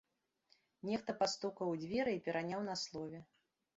Нехта пастукаў у дзверы і пераняў на слове.